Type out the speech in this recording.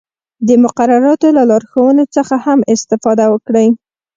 د مقرراتو له لارښوونو څخه هم استفاده وکړئ.